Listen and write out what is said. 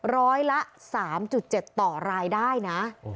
ร้อยละ๓๗ต่อรายได้นะ